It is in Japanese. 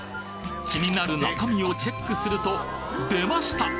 気になる中身をチェックすると出ました！